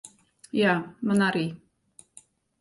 Jā, man arī.